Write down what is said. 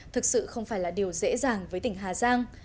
thực sự không phải là điều dễ dàng với tỉnh hà giang